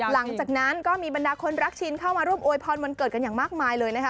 หลังจากนั้นก็มีบรรดาคนรักชินเข้ามาร่วมโอยพรวันเกิดกันอย่างมากมายเลยนะคะ